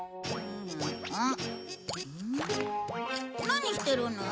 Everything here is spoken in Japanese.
何してるの？